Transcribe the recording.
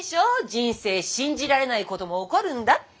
人生信じられないことも起こるんだって。